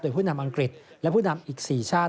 โดยผู้นำอังกฤษและผู้นำอีก๔ชาติ